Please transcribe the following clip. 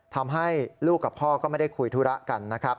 ทำให้ลูกกับพ่อก็ไม่ได้คุยธุระกันนะครับ